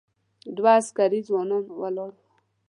دوه عسکري ځوانان ولاړ و.